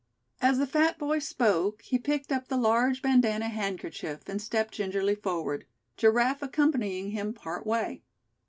As the fat boy spoke he picked up the large bandana handkerchief, and stepped gingerly forward, Giraffe accompanying him part way.